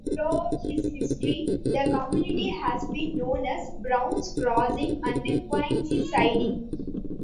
Throughout its history, the community has been known as Brown's Crossing and Quincy's Siding.